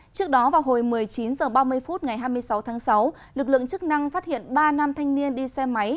trước đó vào hồi một mươi chín h ba mươi phút ngày hai mươi sáu tháng sáu lực lượng chức năng phát hiện ba nam thanh niên đi xe máy